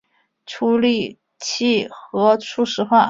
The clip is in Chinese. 处理器核初始化